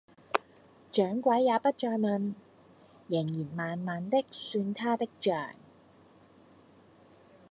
掌櫃也不再問，仍然慢慢的算他的賬